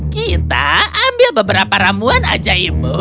kita ambil beberapa ramuan ajaibmu